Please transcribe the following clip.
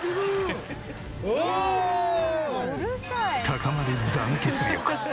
高まる団結力！